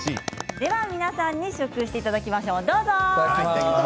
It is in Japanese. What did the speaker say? では皆さんに試食していただきましょう。